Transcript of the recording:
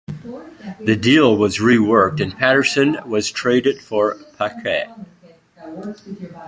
The deal was reworked and Patterson was traded for Paquette.